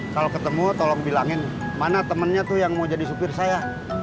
kalau ketemu tolong bilangin mana temennya tuh yang mau jadi supir saya